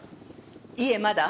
いえまだ。